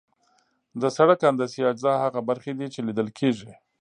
د سرک هندسي اجزا هغه برخې دي چې لیدل کیږي